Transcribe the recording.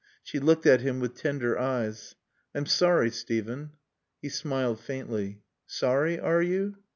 She looked at him with tender eyes. "I'm sorry, Steven." He smiled faintly. "Sorry, are you?"